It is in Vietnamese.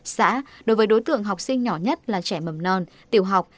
xã đối với đối tượng học sinh nhỏ nhất là trẻ mầm non tiểu học